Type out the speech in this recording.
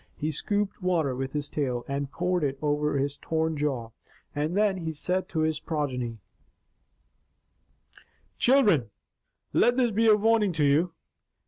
He scooped water with his tail, and poured it over his torn jaw. And then he said to his progeny, "Children, let this be a warning to you.